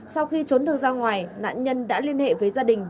sau khi trốn được ra ngoài nạn nhân đã liên hệ với gia đình